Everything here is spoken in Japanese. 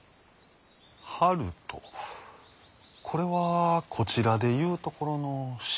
ハルトこれはこちらで言うところの「しん」か。